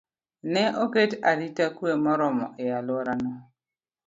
ne oket arita kwe moromo e alworano.